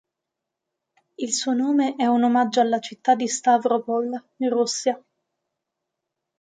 Il suo nome è un omaggio alla città di Stavropol', in Russia.